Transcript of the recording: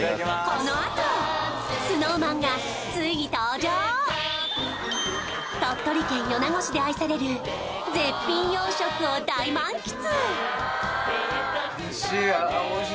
このあとＳｎｏｗＭａｎがついに登場鳥取県米子市で愛される絶品洋食を大満喫！